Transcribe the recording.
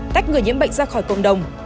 tách người nhiễm bệnh ra khỏi cộng đồng